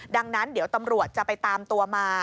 ดังนั้นเดี๋ยวตำรวจจะไปตามตัวมา